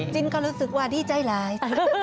จริงก็รู้สึกว่าดีใจร้าย